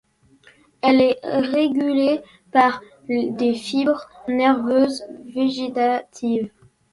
Elle est régulée par des fibres nerveuses végétatives.